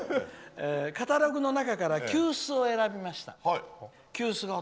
「カタログの中から急須を選びました」。